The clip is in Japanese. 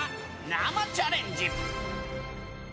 生チャレンジ。